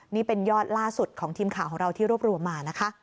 นี่เป็นยอดล่าสุดของทีมข่าวของเราที่รวบรวมมานะคะ